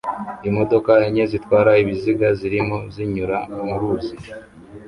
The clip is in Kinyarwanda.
Imodoka enye zitwara ibiziga zirimo zinyura mu ruzi